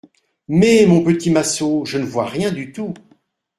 Mais, mon petit Massot, je ne vois rien du tout.